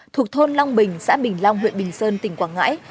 thuộc thôn long bình xã bình long huyện bình sơn tỉnh quảng ngãi